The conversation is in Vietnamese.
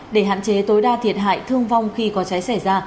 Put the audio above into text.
để hạn chế tối đa thiệt hại thương vong khi có cháy xảy ra